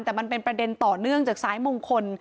แต่มันเป็นประเด็นต่อเนื่องจากสายมงคล